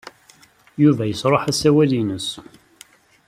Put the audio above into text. Yuba yesṛuḥ asawal-nnes.